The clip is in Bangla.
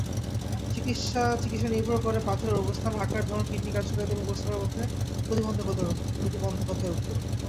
চিকিৎসাচিকিৎসানির্ভর করে পাথরের অবস্থান, আকার, ধরন, কিডনির কার্যকারিতা এবং প্রস্রাবের পথে প্রতিবন্ধকতার ওপর।